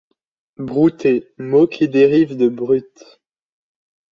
Brouter, mot qui dérive de brute.